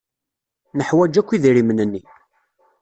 Neḥwaj akk idrimen-nni.